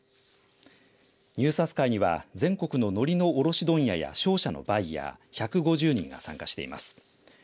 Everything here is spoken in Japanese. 入札会には全国のノリの卸問屋や商社のバイヤー１５０人が参加しています。